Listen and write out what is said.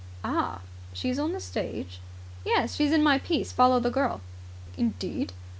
"Ah! She is on the stage?" "Yes. She's in my piece, 'Follow the Girl'." "Indeed!